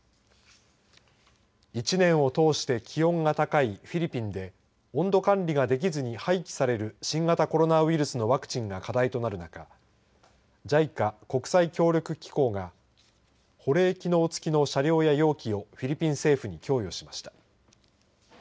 １年を通して気温が高いフィリピンで温度管理ができずに廃棄される新型コロナウイルスのワクチンが課題となる中ＪＩＣＡ、国際協力機構が保冷機能付きの車両や容器をフィリピン政府に供与しました。